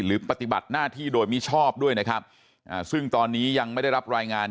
ปฏิบัติหน้าที่โดยมิชอบด้วยนะครับซึ่งตอนนี้ยังไม่ได้รับรายงาน